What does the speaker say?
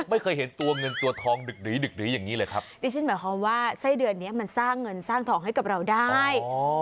ไม่เคยเห็นตัวเงินตัวทองดึกหรือดึกหรืออย่างนี้เลยครับดิฉันหมายความว่าไส้เดือนเนี้ยมันสร้างเงินสร้างทองให้กับเราได้